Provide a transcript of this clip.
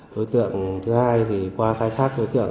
đối tượng thứ hai thì qua khai thác đối tượng